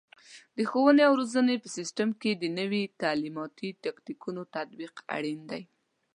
د ښوونې او روزنې په سیستم کې د نوي تعلیماتي تکتیکونو تطبیق اړین دی.